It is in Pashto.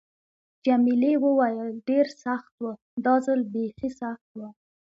جميلې وويل:: ډېر سخت و، دا ځل بیخي سخت و.